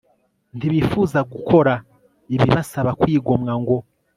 Ntibifuza gukora ibibasaba kwigomwa ngo